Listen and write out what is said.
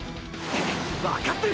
わかってる！！